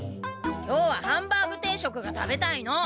今日はハンバーグ定食が食べたいの！